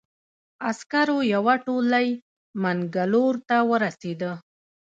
عسکرو یوه تولۍ منګلور ته ورسېده.